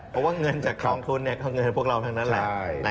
เพราะเงินจากกองทุนก็เงินเพราะคนเรานั่นแหละ